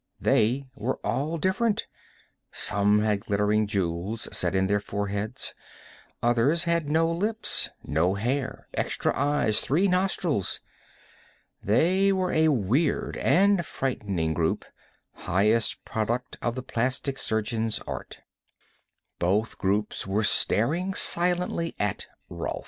They were all different. Some had glittering jewels set in their foreheads, others had no lips, no hair, extra eyes, three nostrils. They were a weird and frightening group, highest product of the plastic surgeon's art. Both groups were staring silently at Rolf.